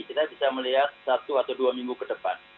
kita bisa melihat satu atau dua minggu ke depan